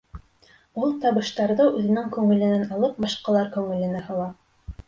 Ул табыштарҙы үҙенең күңеленән алып башҡалар күңеленә һала.